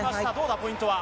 ポイントは？